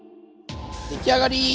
出来上がり！